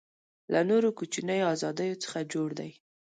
له نورو کوچنیو آزادیو څخه جوړ دی.